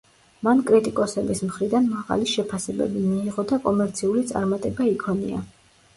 მან კრიტიკოსების მხრიდან მაღალი შეფასებები მიიღო და კომერციული წარმატება იქონია.